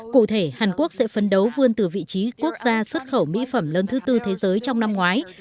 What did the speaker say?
cụ thể hàn quốc sẽ phấn đấu vươn từ vị trí quốc gia xuất khẩu mỹ phẩm lớn thứ tư thế giới trong năm ngoái